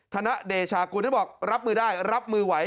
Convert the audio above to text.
ธนเดชากุลที่บอกรับมือได้รับมือไหว